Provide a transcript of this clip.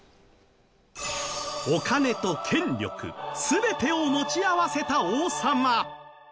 お金と権力全てを持ち合わせた王様。